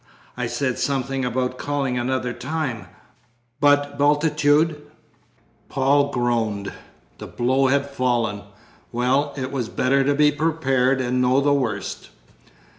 I said something about calling another time, but Bultitude " Paul groaned. The blow had fallen. Well, it was better to be prepared and know the worst.